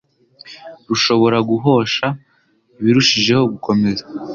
rushobora guhosha ibirushijeho gukomera